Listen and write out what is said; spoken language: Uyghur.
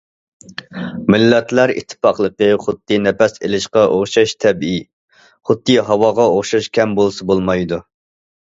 مىللەتلەر ئىتتىپاقلىقى خۇددى نەپەس ئېلىشقا ئوخشاش تەبىئىي، خۇددى ھاۋاغا ئوخشاش كەم بولسا بولمايدۇ.